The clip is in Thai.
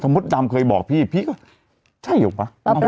เขามดดำเคยบอกพี่พี่ก็ใช่หรือเปล่า